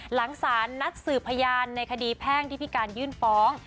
หลังสารนัดสืบพยานในคดีแพ่งที่พิการยื่นฟ้อง